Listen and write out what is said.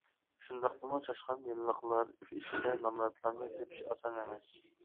شۇنداقتىمۇ چاشقان يىللىقلار ئىچىدىن نامراتلارنى تېپىش ئاسان ئەمەس.